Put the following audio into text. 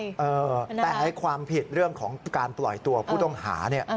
แต่ความผิดเรื่องของการปล่อยตัวผู้ต้องหาเนี่ย